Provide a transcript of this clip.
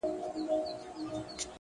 چي ته بېلېږې له مست سوره څخه-